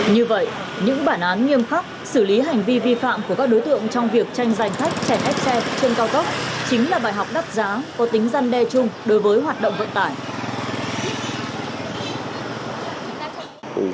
như vậy những bản án nghiêm khắc xử lý hành vi vi phạm của các đối tượng trong việc tranh giành khách chèn ép xe trên cao tốc